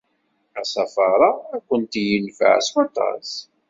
Asafar-a ad kent-yenfeɛ s waṭas.